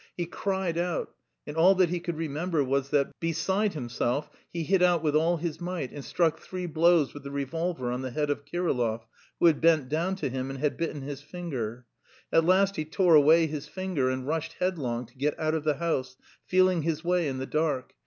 He cried out, and all that he could remember was that, beside himself, he hit out with all his might and struck three blows with the revolver on the head of Kirillov, who had bent down to him and had bitten his finger. At last he tore away his finger and rushed headlong to get out of the house, feeling his way in the dark.